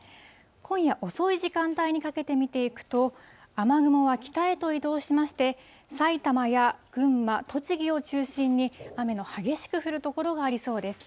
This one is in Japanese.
今夜遅い時間帯にかけて見ていくと、雨雲は北へと移動しまして、埼玉や群馬、栃木を中心に、雨の激しく降る所がありそうです。